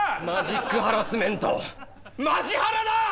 マジックハラスメントマジハラだ！